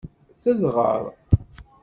Tedɣer.